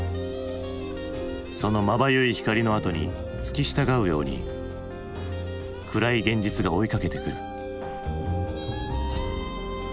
そのまばゆい光のあとに付き従うように暗い現実が追いかけてくる。